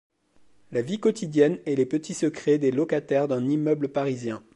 La vie quotidienne et les petits secrets des locataires d'un immeuble parisien.